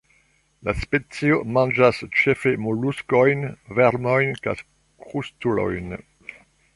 La specio manĝas ĉefe moluskojn, vermojn kaj krustulojn.